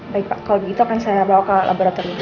baik pak kalau begitu akan saya bawa ke laboratorium